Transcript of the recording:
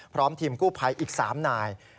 พร้อมทีมกู้ภัยอีก๓นาย